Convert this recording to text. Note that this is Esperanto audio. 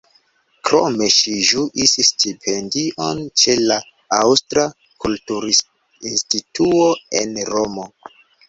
Krome ŝi ĝuis stipendion ĉe la Aŭstra kulturinstituo en Romo.